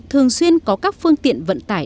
thường xuyên có các phương tiện vận tải